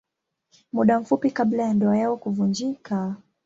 Muda mfupi kabla ya ndoa yao kuvunjika.